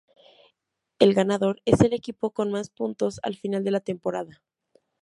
El ganador es el equipo con más puntos al final de la temporada.